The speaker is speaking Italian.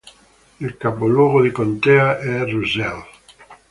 Il capoluogo di contea è Russell